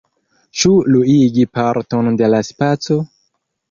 Ĉu luigi parton de la spaco?